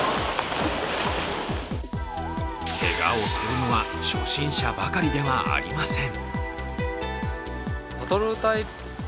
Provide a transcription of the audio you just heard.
けがをするのは初心者ばかりではありません。